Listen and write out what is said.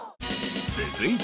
続いて。